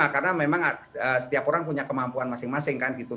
karena memang setiap orang punya kemampuan masing masing kan gitu